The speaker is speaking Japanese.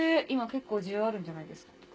今結構需要あるんじゃないですか？